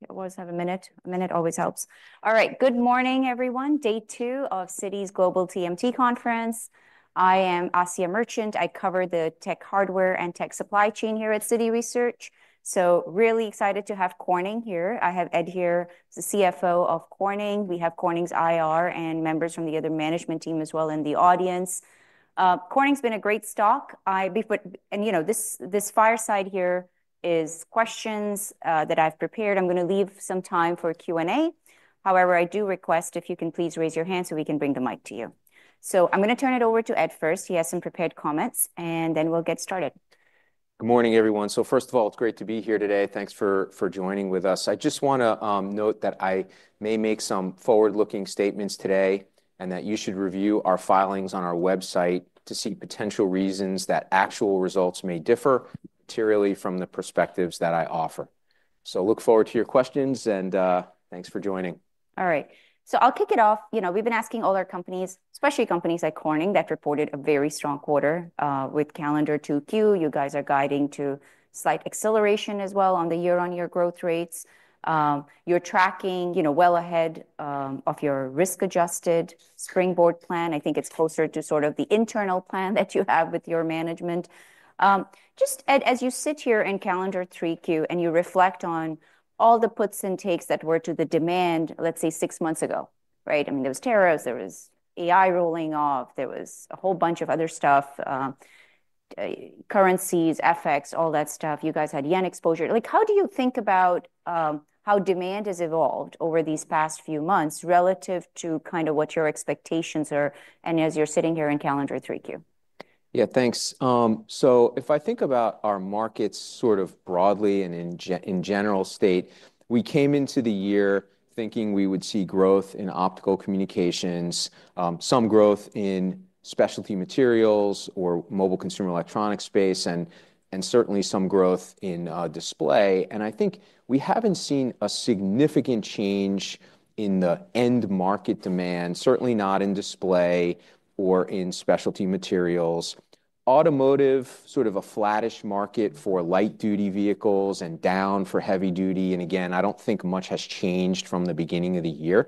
Here. Yeah, always have a minute. A minute always helps. All right, good morning, everyone, day two of Citi's Global TMT Conference. I am Asiya Merchant. I cover the tech hardware and tech supply chain here at Citi Research, so really excited to have Corning here. I have Ed here, the CFO of Corning. We have Corning's IR and members from the other management team as well in the audience. Corning's been a great stock. You know, this fireside here is questions that I've prepared. I'm gonna leave some time for a Q&A. However, I do request if you can please raise your hand so we can bring the mic to you. So I'm gonna turn it over to Ed first. He has some prepared comments, and then we'll get started. Good morning, everyone. So first of all, it's great to be here today. Thanks for joining with us. I just wanna note that I may make some forward-looking statements today, and that you should review our filings on our website to see potential reasons that actual results may differ materially from the perspectives that I offer. So look forward to your questions, and thanks for joining. All right, so I'll kick it off. You know, we've been asking all our companies, especially companies like Corning, that reported a very strong quarter with calendar 2Q. You guys are guiding to slight acceleration as well on the year-on-year growth rates. You're tracking, you know, well ahead of your risk-adjusted Springboard plan. I think it's closer to sort of the internal plan that you have with your management. Just, Ed, as you sit here in calendar 3Q, and you reflect on all the puts and takes that were to the demand, let's say, six months ago, right? I mean, there was tariffs, there was AI rolling off, there was a whole bunch of other stuff, currencies, FX, all that stuff. You guys had yen exposure. Like, how do you think about how demand has evolved over these past few months relative to kind of what your expectations are, and as you're sitting here in calendar 3Q? Yeah, thanks. So if I think about our markets sort of broadly and in general state, we came into the year thinking we would see growth in optical communications, some growth in specialty materials or mobile consumer electronics space, and certainly some growth in display, and I think we haven't seen a significant change in the end market demand, certainly not in display or in specialty materials. Automotive, sort of a flattish market for light-duty vehicles and down for heavy duty, and again, I don't think much has changed from the beginning of the year.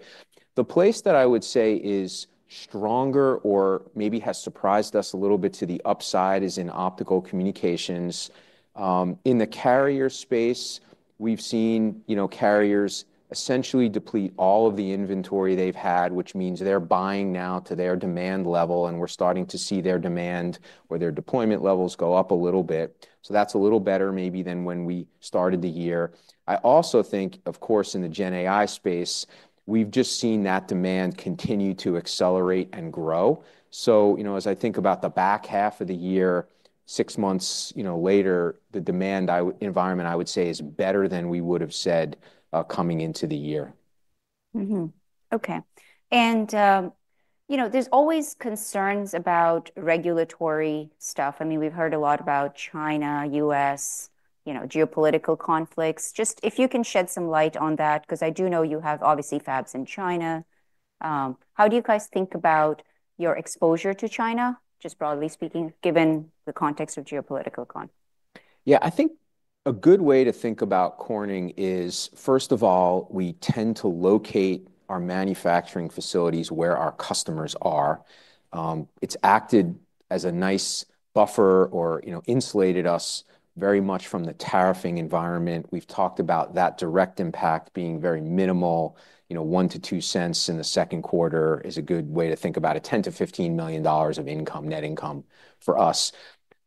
The place that I would say is stronger or maybe has surprised us a little bit to the upside is in optical communications. In the carrier space, we've seen, you know, carriers essentially deplete all of the inventory they've had, which means they're buying now to their demand level, and we're starting to see their demand or their deployment levels go up a little bit. So that's a little better maybe than when we started the year. I also think, of course, in the GenAI space, we've just seen that demand continue to accelerate and grow. So, you know, as I think about the back half of the year, six months, you know, later, the demand environment, I would say, is better than we would've said coming into the year. Mm-hmm. Okay, and, you know, there's always concerns about regulatory stuff. I mean, we've heard a lot about China, US, you know, geopolitical conflicts. Just if you can shed some light on that, 'cause I do know you have, obviously, fabs in China. How do you guys think about your exposure to China, just broadly speaking, given the context of geopolitical con- Yeah, I think a good way to think about Corning is, first of all, we tend to locate our manufacturing facilities where our customers are. It's acted as a nice buffer or, you know, insulated us very much from the tariffing environment. We've talked about that direct impact being very minimal, you know, $0.01-$0.02 in the second quarter is a good way to think about it, $10-$15 million of income, net income for us.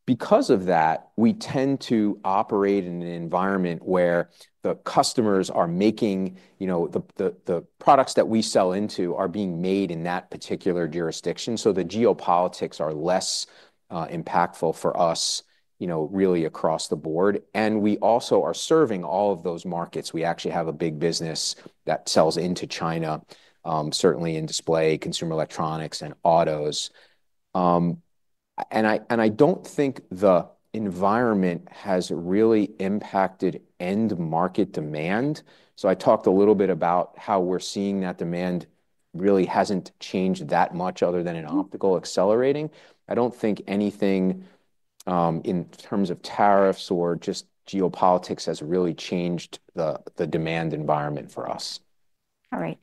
Because of that, we tend to operate in an environment where the customers are making, you know, the products that we sell into are being made in that particular jurisdiction, so the geopolitics are less impactful for us, you know, really across the board, and we also are serving all of those markets. We actually have a big business that sells into China, certainly in display, consumer electronics, and autos, and I don't think the environment has really impacted end market demand. So I talked a little bit about how we're seeing that demand really hasn't changed that much, other than in optical accelerating. I don't think anything in terms of tariffs or just geopolitics has really changed the demand environment for us. All right.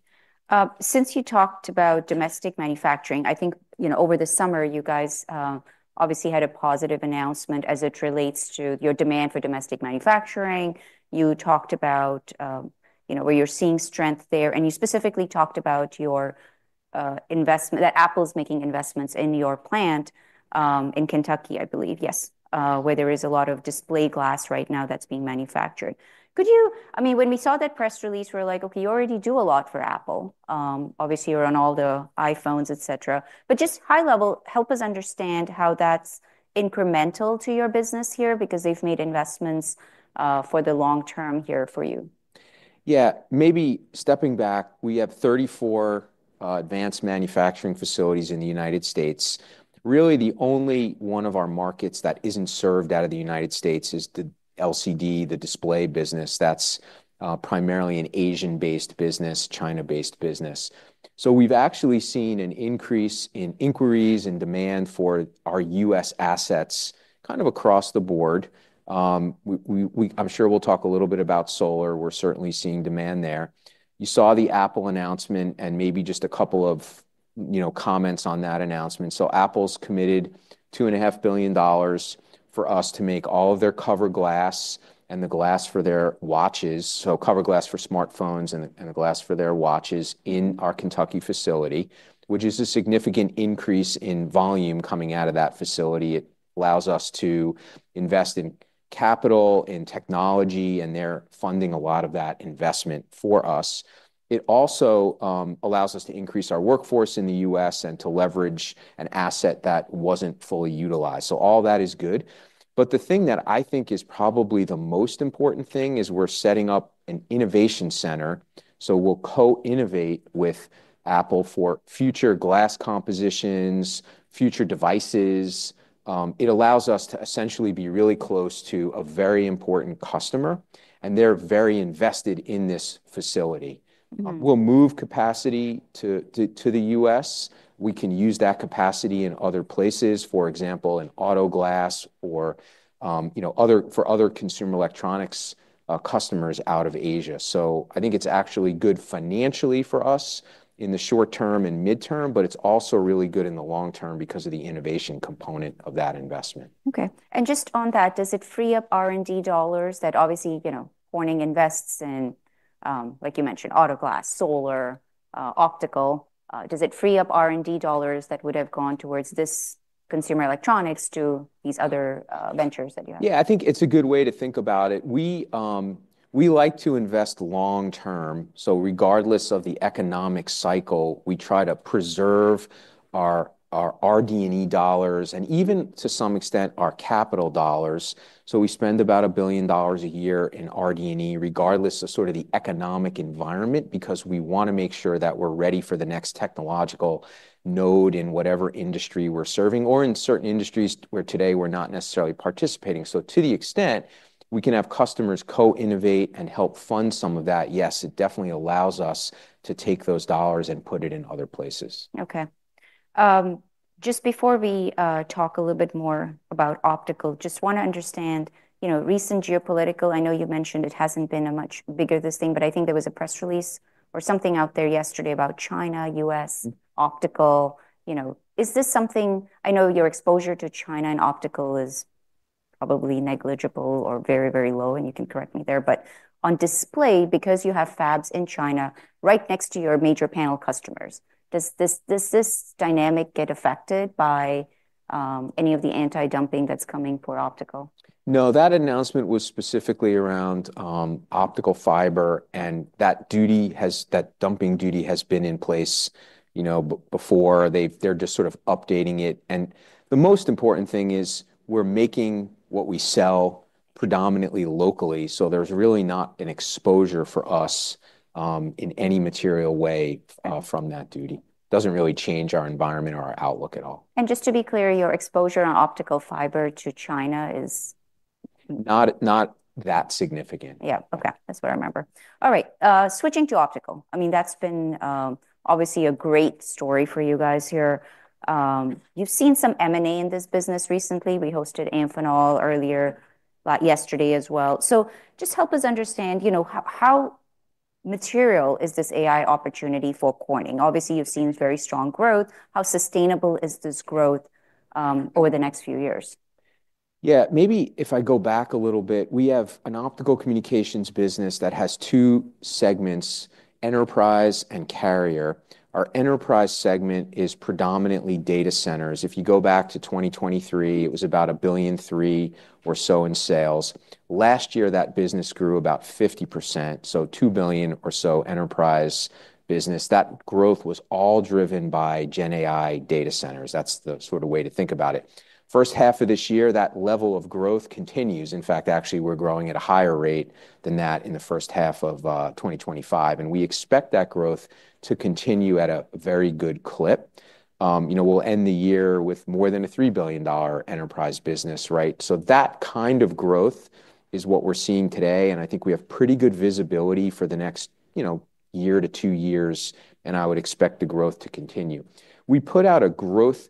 Since you talked about domestic manufacturing, I think, you know, over the summer, you guys obviously had a positive announcement as it relates to your demand for domestic manufacturing. You talked about, you know, where you're seeing strength there, and you specifically talked about your investment- that Apple's making investments in your plant in Kentucky, I believe. Yes, where there is a lot of display glass right now that's being manufactured. Could you... I mean, when we saw that press release, we were like, "Okay, you already do a lot for Apple." Obviously, you're on all the iPhones, et cetera. But just high level, help us understand how that's incremental to your business here because they've made investments for the long term here for you. Yeah. Maybe stepping back, we have 34 advanced manufacturing facilities in the United States. Really, the only one of our markets that isn't served out of the United States is the LCD, the display business. That's primarily an Asian-based business, China-based business. So we've actually seen an increase in inquiries and demand for our U.S. assets kind of across the board. I'm sure we'll talk a little bit about solar. We're certainly seeing demand there. You saw the Apple announcement and maybe just a couple of, you know, comments on that announcement. Apple's committed $2.5 billion for us to make all of their cover glass and the glass for their watches, so cover glass for smartphones and the glass for their watches in our Kentucky facility, which is a significant increase in volume coming out of that facility. It allows us to invest in capital, in technology, and they're funding a lot of that investment for us. It also allows us to increase our workforce in the U.S. and to leverage an asset that wasn't fully utilized. All that is good, but the thing that I think is probably the most important thing is we're setting up an innovation center, so we'll co-innovate with Apple for future glass compositions, future devices. It allows us to essentially be really close to a very important customer, and they're very invested in this facility. Mm-hmm. We'll move capacity to the U.S. We can use that capacity in other places, for example, in auto glass or, you know, for other consumer electronics customers out of Asia. So I think it's actually good financially for us in the short term and mid-term, but it's also really good in the long term because of the innovation component of that investment. Okay. And just on that, does it free up R&D dollars that obviously, you know, Corning invests in, like you mentioned, auto glass, solar, optical. Does it free up R&D dollars that would have gone towards this consumer electronics to these other ventures that you have? Yeah, I think it's a good way to think about it. We, we like to invest long term, so regardless of the economic cycle, we try to preserve our RD&E dollars, and even to some extent, our capital dollars. So we spend about $1 billion a year in RD&E, regardless of sort of the economic environment, because we wanna make sure that we're ready for the next technological node in whatever industry we're serving, or in certain industries where today we're not necessarily participating. So to the extent we can have customers co-innovate and help fund some of that, yes, it definitely allows us to take those dollars and put it in other places. Okay. Just before we talk a little bit more about optical, just wanna understand, you know, recent geopolitical... I know you mentioned it hasn't been a much bigger this thing, but I think there was a press release or something out there yesterday about China, U.S., optical. You know, is this something... I know your exposure to China and optical is probably negligible or very, very low, and you can correct me there, but on display, because you have fabs in China right next to your major panel customers, does this dynamic get affected by any of the anti-dumping that's coming for optical? No, that announcement was specifically around optical fiber, and that dumping duty has been in place, you know, before. They're just sort of updating it, and the most important thing is we're making what we sell predominantly locally, so there's really not an exposure for us in any material way from that duty. Doesn't really change our environment or our outlook at all. Just to be clear, your exposure on optical fiber to China is? Not that significant. Yeah. Okay, that's what I remember. All right, switching to optical, I mean, that's been obviously a great story for you guys here. You've seen some M&A in this business recently. We hosted Amphenol earlier, like yesterday as well. So just help us understand, you know, how, how material is this AI opportunity for Corning? Obviously, you've seen very strong growth. How sustainable is this growth over the next few years? Yeah, maybe if I go back a little bit, we have an Optical Communications business that has two segments, enterprise and carrier. Our enterprise segment is predominantly data centers. If you go back to 2023, it was about $1.003 billion or so in sales. Last year, that business grew about 50%, so $2 billion or so enterprise business. That growth was all driven by GenAI data centers. That's the sort of way to think about it. First half of this year, that level of growth continues. In fact, actually, we're growing at a higher rate than that in the first half of 2025, and we expect that growth to continue at a very good clip. You know, we'll end the year with more than a $3 billion enterprise business, right? So that kind of growth is what we're seeing today, and I think we have pretty good visibility for the next, you know, year to two years, and I would expect the growth to continue. We put out a growth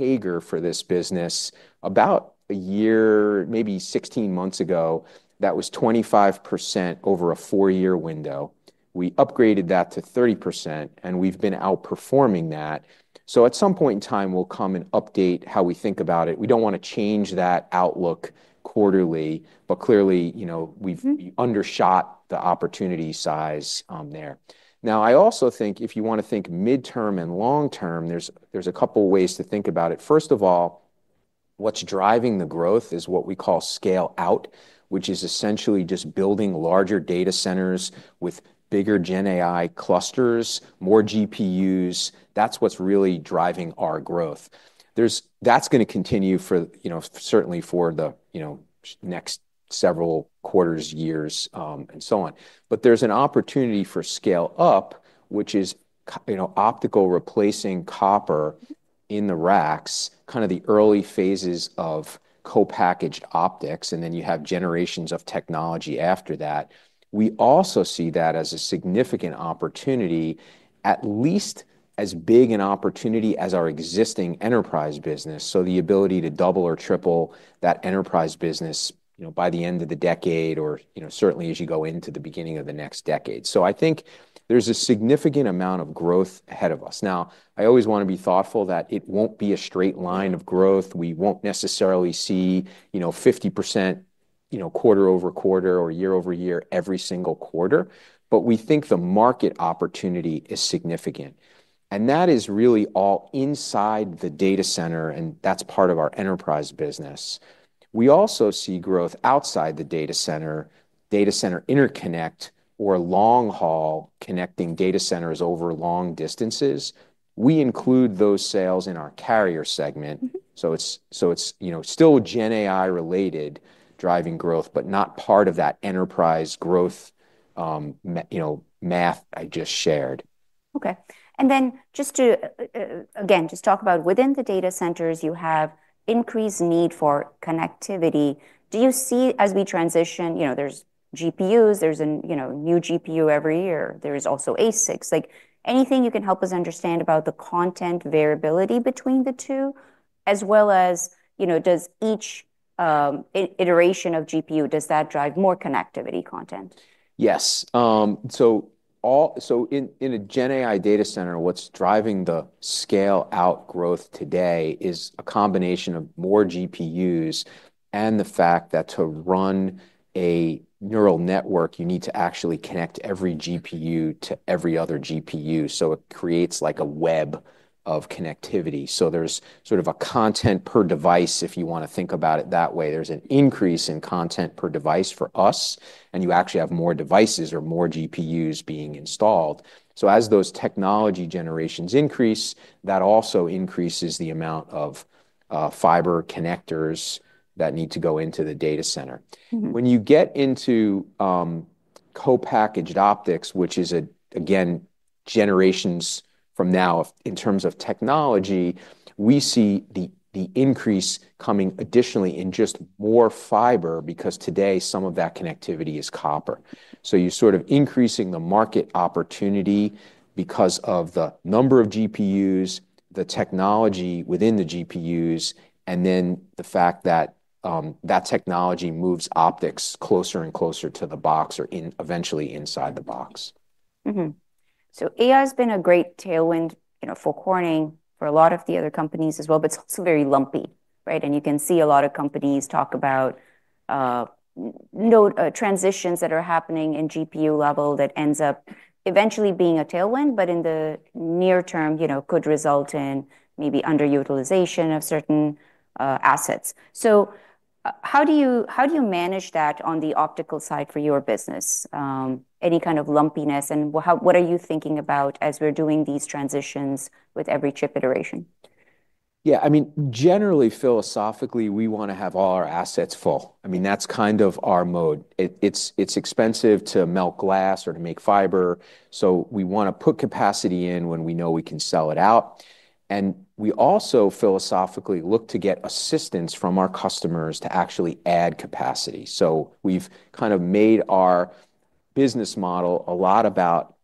CAGR for this business about a year, maybe sixteen months ago. That was 25% over a four-year window. We upgraded that to 30%, and we've been outperforming that. So at some point in time, we'll come and update how we think about it. We don't wanna change that outlook quarterly, but clearly, you know. Mm-hmm... we've undershot the opportunity size there. Now, I also think if you wanna think mid-term and long-term, there's a couple ways to think about it. First of all, what's driving the growth is what we call scale out, which is essentially just building larger data centers with bigger GenAI clusters, more GPUs. That's what's really driving our growth. That's gonna continue for, you know, certainly for the, you know, next several quarters, years, and so on. But there's an opportunity for scale up, which is, you know, optical replacing copper in the racks, kind of the early phases of co-packaged optics, and then you have generations of technology after that. We also see that as a significant opportunity, at least as big an opportunity as our existing enterprise business, so the ability to double or triple that enterprise business, you know, by the end of the decade or, you know, certainly as you go into the beginning of the next decade. So I think there's a significant amount of growth ahead of us. Now, I always wanna be thoughtful that it won't be a straight line of growth. We won't necessarily see, you know, 50% quarter over quarter or year over year, every single quarter, but we think the market opportunity is significant. And that is really all inside the data center, and that's part of our enterprise business. We also see growth outside the data center, data center interconnect or long haul, connecting data centers over long distances. We include those sales in our carrier segment. Mm-hmm. So it's, you know, still GenAI related, driving growth, but not part of that enterprise growth, you know, math I just shared. Okay. And then just to, again, just talk about within the data centers, you have increased need for connectivity. Do you see, as we transition, you know, there's GPUs, you know, new GPU every year. There is also ASICs. Like, anything you can help us understand about the content variability between the two, as well as, you know, does each iteration of GPU, does that drive more connectivity content? Yes. So in a GenAI data center, what's driving the scale out growth today is a combination of more GPUs, and the fact that to run a neural network, you need to actually connect every GPU to every other GPU, so it creates like a web of connectivity. So there's sort of a connectivity per device, if you want to think about it that way. There's an increase in connectivity per device for us, and you actually have more devices or more GPUs being installed. So as those technology generations increase, that also increases the amount of fiber connectors that need to go into the data center. Mm-hmm. When you get into co-packaged optics, which is, again, generations from now in terms of technology, we see the increase coming additionally in just more fiber, because today, some of that connectivity is copper. So you're sort of increasing the market opportunity because of the number of GPUs, the technology within the GPUs, and then the fact that that technology moves optics closer and closer to the box or in eventually inside the box. Mm-hmm. So AI's been a great tailwind, you know, for Corning, for a lot of the other companies as well, but it's also very lumpy, right? And you can see a lot of companies talk about transitions that are happening in GPU level that ends up eventually being a tailwind, but in the near term, you know, could result in maybe underutilization of certain assets. So how do you, how do you manage that on the optical side for your business? Any kind of lumpiness, and what are you thinking about as we're doing these transitions with every chip iteration? Yeah, I mean, generally, philosophically, we want to have all our assets full. I mean, that's kind of our mode. It's expensive to melt glass or to make fiber, so we want to put capacity in when we know we can sell it out. And we also philosophically look to get assistance from our customers to actually add capacity. So we've kind of made our business model a lot about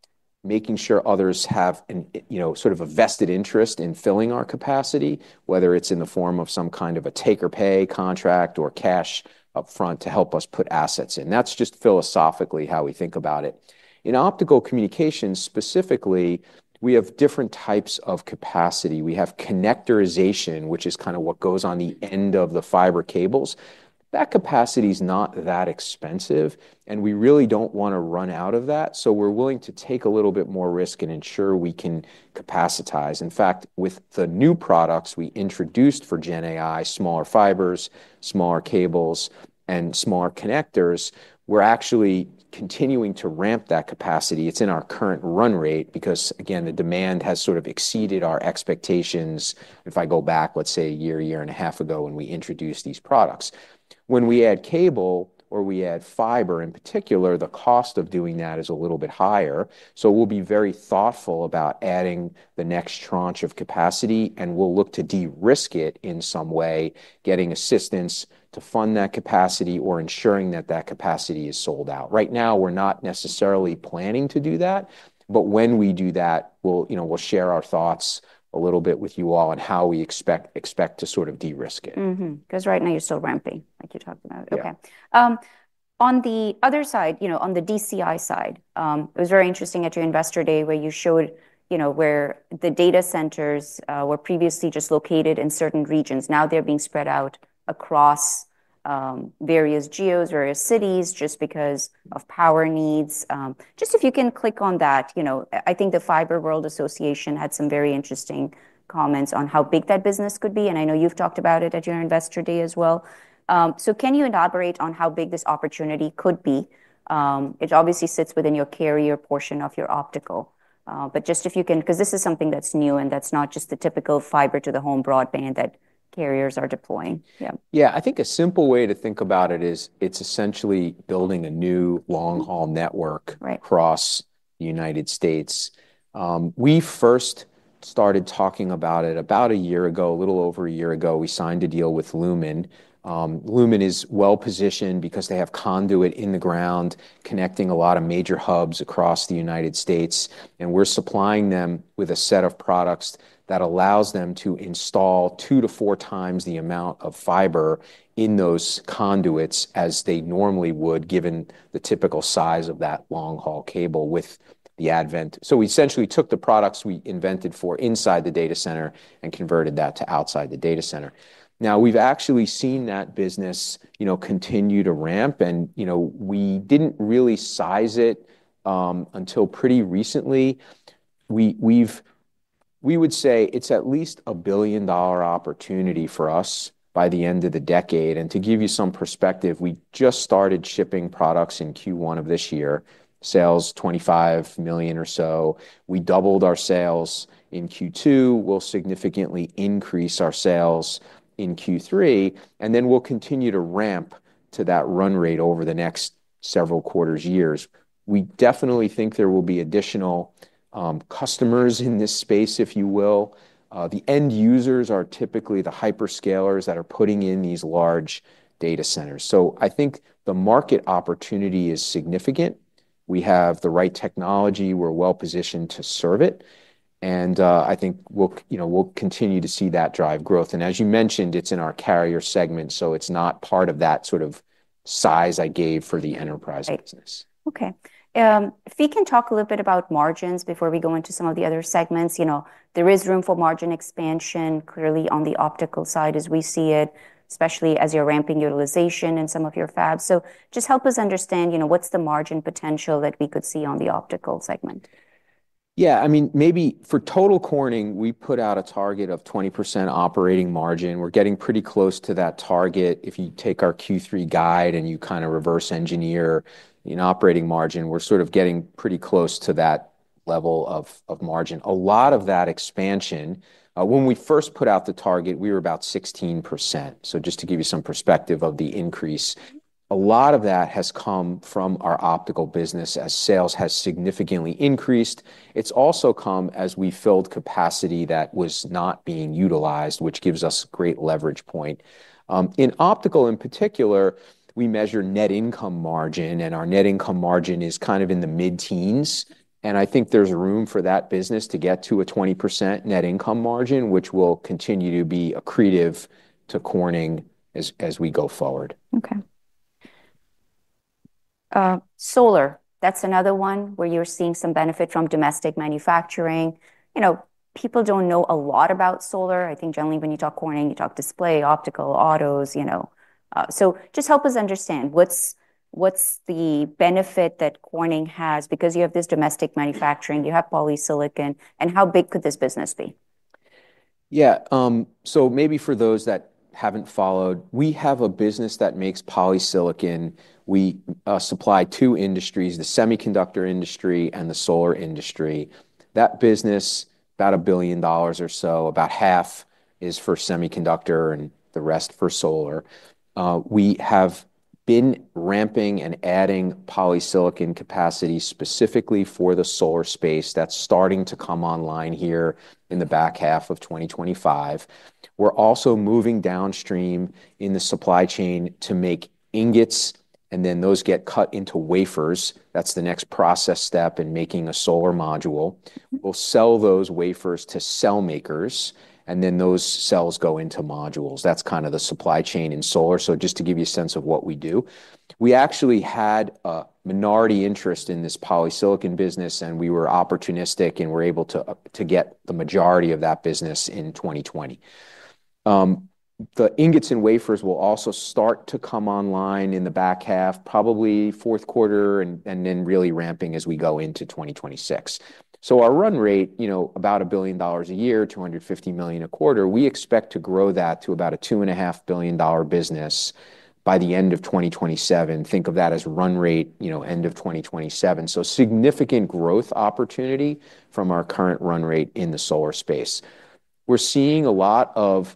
making sure others have an, you know, sort of a vested interest in filling our capacity, whether it's in the form of some kind of a take or pay contract or cash upfront to help us put assets in. That's just philosophically how we think about it. In optical communications, specifically, we have different types of capacity. We have connectorization, which is kind of what goes on the end of the fiber cables. That capacity's not that expensive, and we really don't want to run out of that, so we're willing to take a little bit more risk and ensure we can capacitize. In fact, with the new products we introduced for GenAI, smaller fibers, smaller cables, and smaller connectors, we're actually continuing to ramp that capacity. It's in our current run rate because, again, the demand has sort of exceeded our expectations, if I go back, let's say, a year, year and a half ago when we introduced these products. When we add cable or we add fiber, in particular, the cost of doing that is a little bit higher, so we'll be very thoughtful about adding the next tranche of capacity, and we'll look to de-risk it in some way, getting assistance to fund that capacity or ensuring that that capacity is sold out. Right now, we're not necessarily planning to do that, but when we do that, we'll, you know, we'll share our thoughts a little bit with you all on how we expect to sort of de-risk it. Mm-hmm, 'cause right now you're still ramping, like you talked about. Yeah. Okay. On the other side, you know, on the DCI side, it was very interesting at your Investor Day where you showed, you know, where the data centers were previously just located in certain regions. Now they're being spread out across various geos, various cities, just because of power needs. Just if you can click on that, you know, I think the Fiber World Association had some very interesting comments on how big that business could be, and I know you've talked about it at your Investor Day as well. So can you elaborate on how big this opportunity could be? It obviously sits within your carrier portion of your optical. But just if you can— 'cause this is something that's new, and that's not just the typical fiber to the home broadband that carriers are deploying. Yeah. Yeah, I think a simple way to think about it is, it's essentially building a new long-haul network- Right... across the United States. We first started talking about it about a year ago. A little over a year ago, we signed a deal with Lumen. Lumen is well-positioned because they have conduit in the ground connecting a lot of major hubs across the United States... and we're supplying them with a set of products that allows them to install two to four times the amount of fiber in those conduits as they normally would, given the typical size of that long-haul cable with the advent. So we essentially took the products we invented for inside the data center and converted that to outside the data center. Now, we've actually seen that business, you know, continue to ramp, and, you know, we didn't really size it until pretty recently. We would say it's at least a $1 billion opportunity for us by the end of the decade, and to give you some perspective, we just started shipping products in Q1 of this year. Sales, $25 million or so. We doubled our sales in Q2. We'll significantly increase our sales in Q3, and then we'll continue to ramp to that run rate over the next several quarters, years. We definitely think there will be additional customers in this space, if you will. The end users are typically the hyperscalers that are putting in these large data centers. So I think the market opportunity is significant. We have the right technology. We're well-positioned to serve it, and I think we'll, you know, we'll continue to see that drive growth, and as you mentioned, it's in our carrier segment, so it's not part of that sort of size I gave for the enterprise business. Right. Okay, if we can talk a little bit about margins before we go into some of the other segments. You know, there is room for margin expansion, clearly, on the optical side as we see it, especially as you're ramping utilization in some of your fabs. So just help us understand, you know, what's the margin potential that we could see on the optical segment? Yeah, I mean, maybe for total Corning, we put out a target of 20% operating margin. We're getting pretty close to that target. If you take our Q3 guide, and you kind of reverse engineer in operating margin, we're sort of getting pretty close to that level of, of margin. A lot of that expansion, when we first put out the target, we were about 16%, so just to give you some perspective of the increase. A lot of that has come from our optical business as sales has significantly increased. It's also come as we filled capacity that was not being utilized, which gives us great leverage point. In Optical in particular, we measure net income margin, and our net income margin is kind of in the mid-teens, and I think there's room for that business to get to a 20% net income margin, which will continue to be accretive to Corning as we go forward. Okay. Solar, that's another one where you're seeing some benefit from domestic manufacturing. You know, people don't know a lot about solar. I think generally when you talk Corning, you talk display, optical, autos, you know, so just help us understand, what's the benefit that Corning has? Because you have this domestic manufacturing, you have polysilicon, and how big could this business be? Yeah, so maybe for those that haven't followed, we have a business that makes polysilicon. We supply two industries, the semiconductor industry and the solar industry. That business, about $1 billion or so, about half is for semiconductor, and the rest for solar. We have been ramping and adding polysilicon capacity specifically for the solar space. That's starting to come online here in the back half of 2025. We're also moving downstream in the supply chain to make ingots, and then those get cut into wafers, that's the next process step in making a solar module. We'll sell those wafers to cell makers, and then those cells go into modules. That's kind of the supply chain in solar, so just to give you a sense of what we do. We actually had a minority interest in this polysilicon business, and we were opportunistic, and we're able to to get the majority of that business in 2020. The ingots and wafers will also start to come online in the back half, probably fourth quarter, and then really ramping as we go into 2026. So our run rate, you know, about $1 billion a year, $250 million a quarter, we expect to grow that to about a $2.5 billion dollar business by the end of 2027. Think of that as run rate, you know, end of 2027, so significant growth opportunity from our current run rate in the solar space. We're seeing a lot of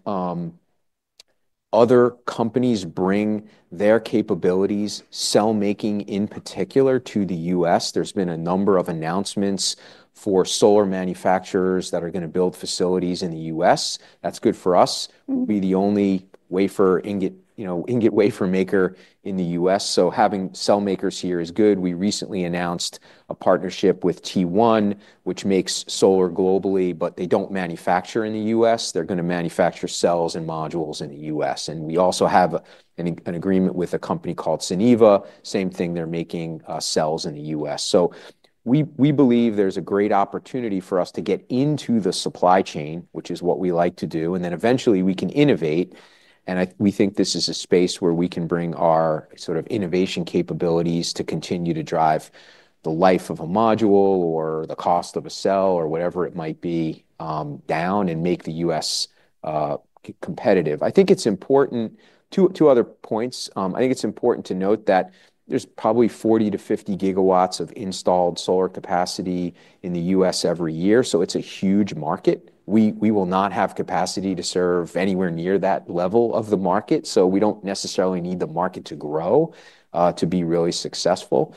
other companies bring their capabilities, cell making, in particular, to the U.S. There's been a number of announcements for solar manufacturers that are gonna build facilities in the U.S. That's good for us. We'll be the only wafer ingot maker in the U.S. You know, ingot wafer maker in the U.S., so having cell makers here is good. We recently announced a partnership with T1, which makes solar globally, but they don't manufacture in the U.S. They're gonna manufacture cells and modules in the U.S., and we also have an agreement with a company called Suniva. Same thing, they're making cells in the U.S. So we believe there's a great opportunity for us to get into the supply chain, which is what we like to do, and then eventually we can innovate, and we think this is a space where we can bring our sort of innovation capabilities to continue to drive the life of a module or the cost of a cell or whatever it might be down and make the U.S. competitive. I think it's important...Two, two other points. I think it's important to note that there's probably 40-50 gigawatts of installed solar capacity in the US every year, so it's a huge market. We, we will not have capacity to serve anywhere near that level of the market, so we don't necessarily need the market to grow, to be really successful.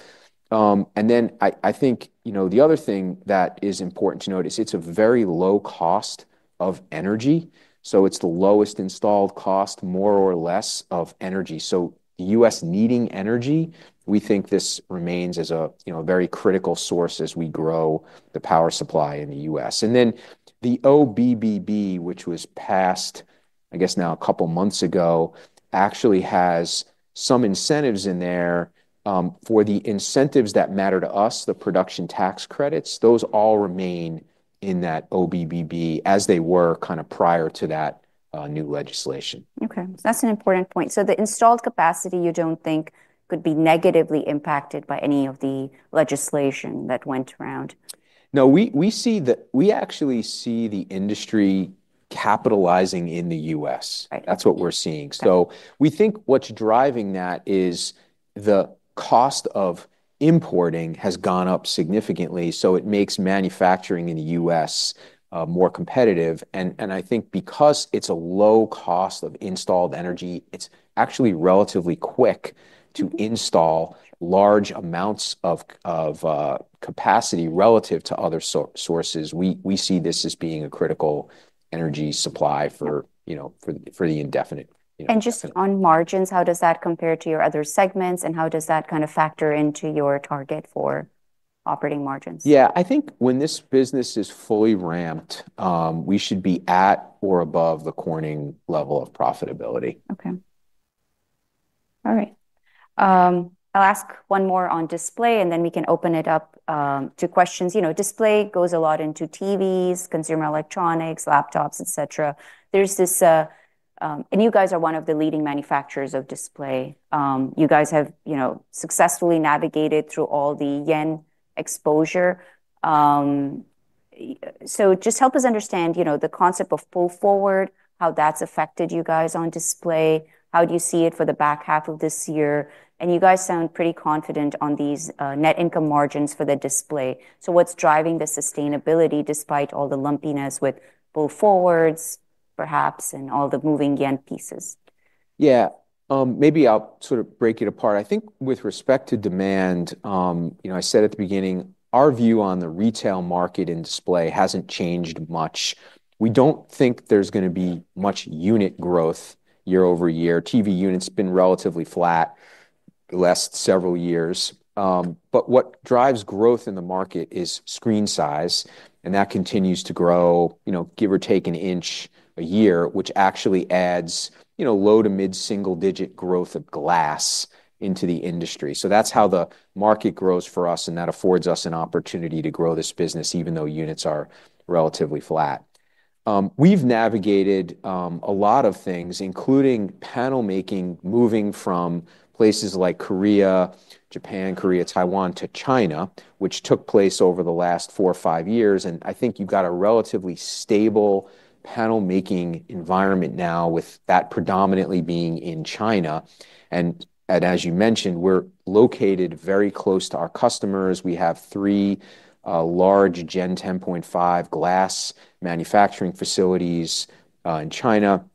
And then I, I think, you know, the other thing that is important to note is it's a very low cost of energy, so it's the lowest installed cost, more or less, of energy. So the US needing energy, we think this remains as a, you know, very critical source as we grow the power supply in the US. And then the OBBB, which was passed, I guess, now a couple months ago, actually has some incentives in there for the incentives that matter to us, the Production Tax Credits. Those all remain in that OBBB, as they were kind of prior to that new legislation. Okay, that's an important point. So the installed capacity, you don't think could be negatively impacted by any of the legislation that went around? No, we actually see the industry capitalizing in the U.S. Right. That's what we're seeing. Okay. So we think what's driving that is the cost of importing has gone up significantly, so it makes manufacturing in the U.S. more competitive. And I think because it's a low cost of installed energy, it's actually relatively quick to install large amounts of capacity relative to other sources. We see this as being a critical energy supply for, you know, for the indefinite, you know, time. Just on margins, how does that compare to your other segments, and how does that kind of factor into your target for operating margins? Yeah, I think when this business is fully ramped, we should be at or above the Corning level of profitability. Okay. All right. I'll ask one more on display, and then we can open it up to questions. You know, display goes a lot into TVs, consumer electronics, laptops, et cetera. There's this. And you guys are one of the leading manufacturers of display. You guys have, you know, successfully navigated through all the yen exposure. So just help us understand, you know, the concept of pull forward, how that's affected you guys on display. How do you see it for the back half of this year? And you guys sound pretty confident on these net income margins for the display. So what's driving the sustainability, despite all the lumpiness with pull forwards, perhaps, and all the moving yen pieces? Yeah. Maybe I'll sort of break it apart. I think with respect to demand, you know, I said at the beginning, our view on the retail market and display hasn't changed much. We don't think there's gonna be much unit growth year over year. TV units been relatively flat the last several years. But what drives growth in the market is screen size, and that continues to grow, you know, give or take an inch a year, which actually adds, you know, low- to mid-single-digit growth of glass into the industry. So that's how the market grows for us, and that affords us an opportunity to grow this business, even though units are relatively flat. We've navigated a lot of things, including panel making, moving from places like Korea, Japan, Korea, Taiwan to China, which took place over the last four or five years, and I think you've got a relatively stable panel-making environment now, with that predominantly being in China. And as you mentioned, we're located very close to our customers. We have three large Gen 10.5 glass manufacturing facilities in China.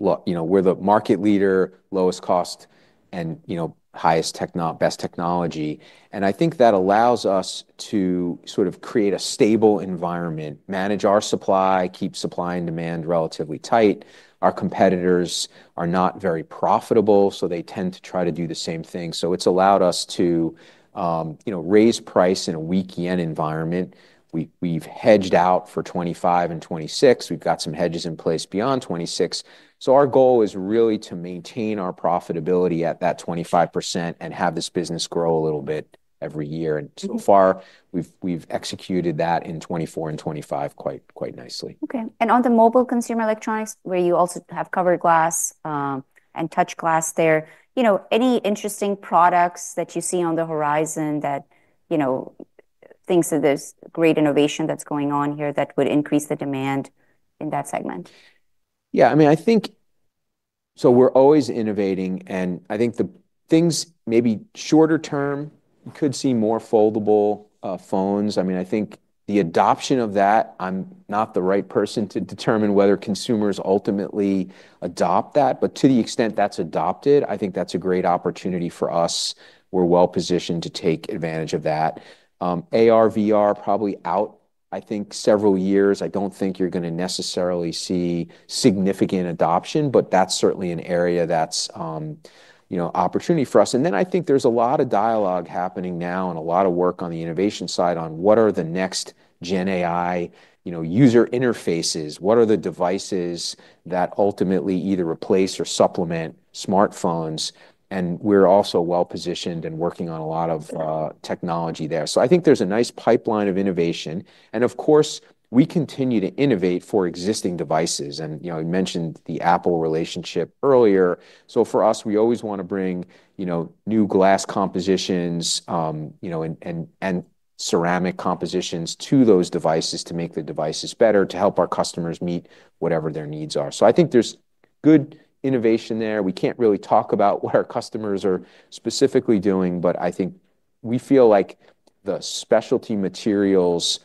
You know, we're the market leader, lowest cost, and you know, highest best technology. And I think that allows us to sort of create a stable environment, manage our supply, keep supply and demand relatively tight. Our competitors are not very profitable, so they tend to try to do the same thing. So it's allowed us to you know, raise price in a weak yen environment. We've hedged out for 2025 and 2026. We've got some hedges in place beyond 2026. So our goal is really to maintain our profitability at that 25% and have this business grow a little bit every year. And so far, we've executed that in 2024 and 2025 quite nicely. Okay. And on the mobile consumer electronics, where you also have cover glass, and touch glass there, you know, any interesting products that you see on the horizon that, you know, thinks that there's great innovation that's going on here that would increase the demand in that segment? Yeah, I mean, I think... So we're always innovating, and I think the things maybe shorter term could see more foldable phones. I mean, I think the adoption of that, I'm not the right person to determine whether consumers ultimately adopt that. But to the extent that's adopted, I think that's a great opportunity for us. We're well positioned to take advantage of that. AR, VR, probably out, I think, several years. I don't think you're gonna necessarily see significant adoption, but that's certainly an area that's, you know, opportunity for us. And then I think there's a lot of dialogue happening now and a lot of work on the innovation side on what are the next Gen AI, you know, user interfaces, what are the devices that ultimately either replace or supplement smartphones? We're also well positioned and working on a lot of technology there. So I think there's a nice pipeline of innovation. And of course, we continue to innovate for existing devices. And, you know, I mentioned the Apple relationship earlier. So for us, we always want to bring, you know, new glass compositions, you know, and ceramic compositions to those devices to make the devices better, to help our customers meet whatever their needs are. So I think there's good innovation there. We can't really talk about what our customers are specifically doing. But I think we feel like the Specialty Materials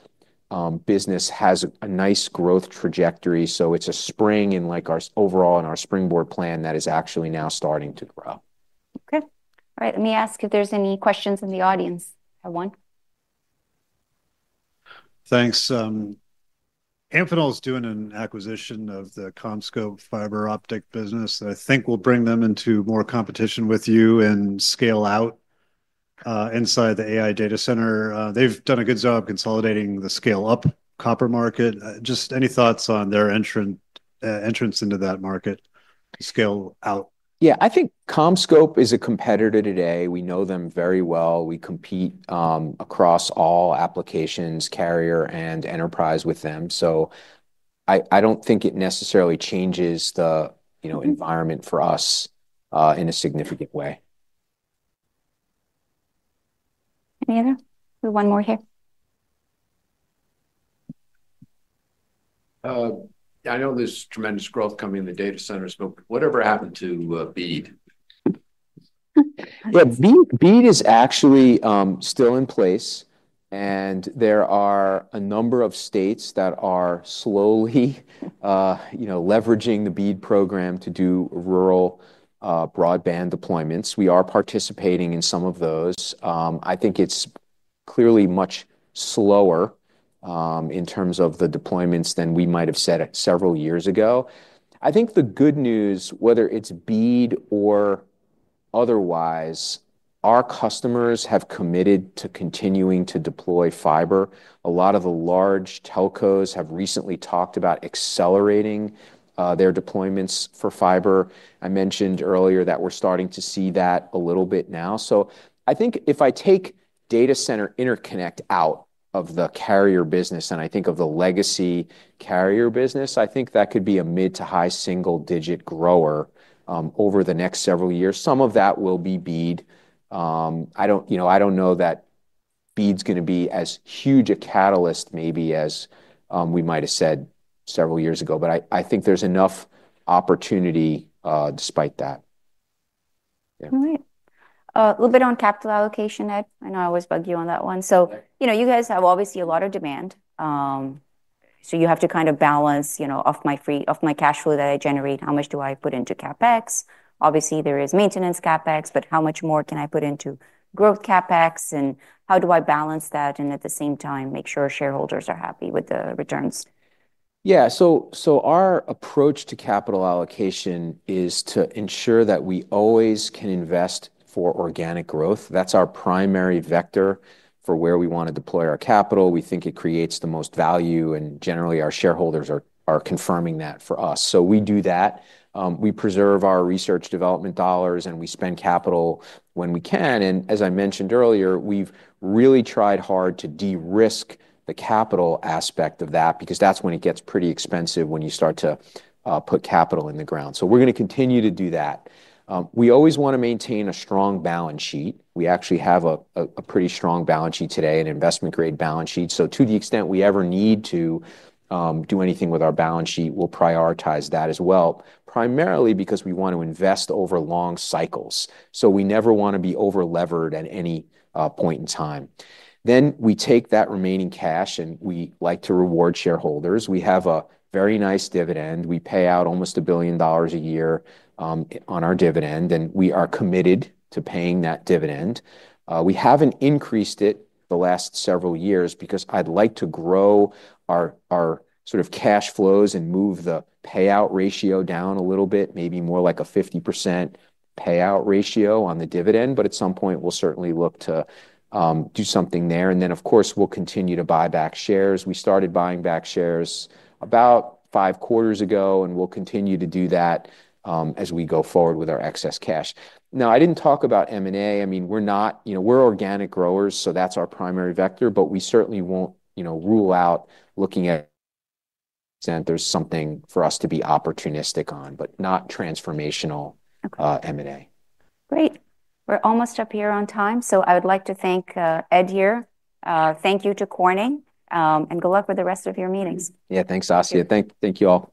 business has a nice growth trajectory, so it's a spring in, like, our overall in our Springboard plan that is actually now starting to grow. Okay. All right, let me ask if there's any questions in the audience. I have one. Thanks. Amphenol is doing an acquisition of the CommScope fiber optic business that I think will bring them into more competition with you and scale out inside the AI data center. They've done a good job consolidating the scale-up copper market. Just any thoughts on their entrance into that market, scale out? Yeah, I think CommScope is a competitor today. We know them very well. We compete across all applications, carrier, and enterprise with them. So I don't think it necessarily changes the, you know, environment for us in a significant way. Any other? One more here. I know there's tremendous growth coming in the data centers, but whatever happened to BEAD? Yeah, BEAD is actually still in place, and there are a number of states that are slowly you know leveraging the BEAD program to do rural broadband deployments. We are participating in some of those. I think it's clearly much slower in terms of the deployments than we might have said it several years ago. I think the good news, whether it's BEAD or otherwise, our customers have committed to continuing to deploy fiber. A lot of the large telcos have recently talked about accelerating their deployments for fiber. I mentioned earlier that we're starting to see that a little bit now. So I think if I take data center interconnect out of the carrier business, and I think of the legacy carrier business, I think that could be a mid to high single-digit grower over the next several years. Some of that will be BEAD. You know, I don't know that BEAD's going to be as huge a catalyst maybe as we might have said several years ago, but I think there's enough opportunity despite that. Yeah. All right. A little bit on capital allocation, Ed. I know I always bug you on that one. So, you know, you guys have obviously a lot of demand, so you have to kind of balance, you know, of my free cash flow that I generate, how much do I put into CapEx? Obviously, there is maintenance CapEx, but how much more can I put into growth CapEx, and how do I balance that, and at the same time, make sure shareholders are happy with the returns? Yeah, our approach to capital allocation is to ensure that we always can invest for organic growth. That's our primary vector for where we want to deploy our capital. We think it creates the most value, and generally, our shareholders are confirming that for us. So we do that. We preserve our research development dollars, and we spend capital when we can. And as I mentioned earlier, we've really tried hard to de-risk the capital aspect of that, because that's when it gets pretty expensive, when you start to put capital in the ground. So we're going to continue to do that. We always want to maintain a strong balance sheet. We actually have a pretty strong balance sheet today, an investment-grade balance sheet. So to the extent we ever need to do anything with our balance sheet, we'll prioritize that as well, primarily because we want to invest over long cycles. So we never want to be over-levered at any point in time. Then, we take that remaining cash, and we like to reward shareholders. We have a very nice dividend. We pay out almost $1 billion a year on our dividend, and we are committed to paying that dividend. We haven't increased it the last several years, because I'd like to grow our sort of cash flows and move the payout ratio down a little bit, maybe more like a 50% payout ratio on the dividend, but at some point, we'll certainly look to do something there. And then, of course, we'll continue to buy back shares. We started buying back shares about five quarters ago, and we'll continue to do that as we go forward with our excess cash. Now, I didn't talk about M&A. I mean, you know, we're organic growers, so that's our primary vector, but we certainly won't, you know, rule out looking at... There's something for us to be opportunistic on, but not transformational- Okay. - M&A. Great. We're almost up here on time, so I would like to thank, Ed, here. Thank you to Corning, and good luck with the rest of your meetings. Yeah, thanks, Asiya. Thank you, all.